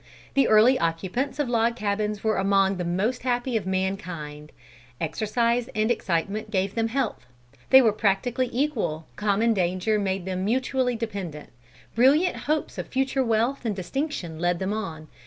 The early occupants of log cabins were among the most happy of mankind. Exercise and excitement gave them health. They were practically equal, common danger made them mutually dependent. Brilliant hopes of future wealth and distinction led them on.